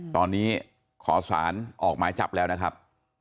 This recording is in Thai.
ตอนนี้ขอสารออกหมายจับแล้วนะครับ